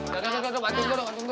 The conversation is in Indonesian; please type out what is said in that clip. tunggu tunggu tunggu tunggu